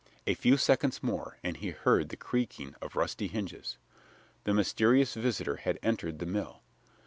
A few seconds more and he heard the creaking of rusty hinges. The mysterious visitor had entered the mill.